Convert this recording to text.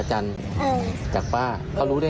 จันทร์เขารู้ได้ไงเขารู้ได้ไหว่